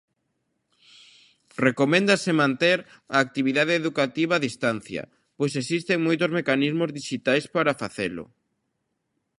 Recoméndase manter a actividade educativa a distancia, pois existen moitos mecanismos dixitais para facelo.